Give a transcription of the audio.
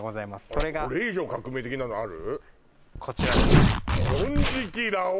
それがこれ以上革命的なのある？